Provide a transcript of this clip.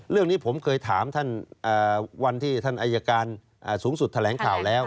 เรื่องนี้ผมเคยถามท่านวันที่ท่านอายการสูงสุดแถลงข่าวแล้ว